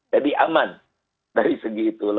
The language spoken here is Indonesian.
jadi aman dari segi itu